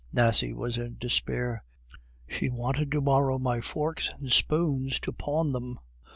Nasie was in despair. She wanted to borrow my forks and spoons to pawn them.